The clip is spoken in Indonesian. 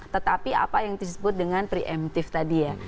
tetapi apa yang disebut dengan pre emptive tadi ya